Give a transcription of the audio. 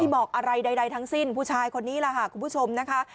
บอกอะไรใดทั้งสิ้นผู้ชายคนนี้ล่ะค่ะคุณผู้ชมนะคะ